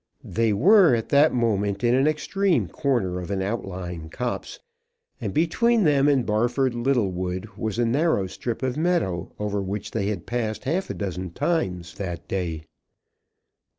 They were at that moment in an extreme corner of an outlying copse, and between them and Barford Little Wood was a narrow strip of meadow, over which they had passed half a dozen times that day.